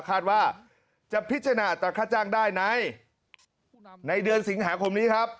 คาดว่าจะพิจารณาตังค่าจ้างได้ในเดือนสิงหาคมนี้ครับ